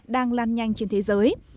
đang lan nhanh trên thế giới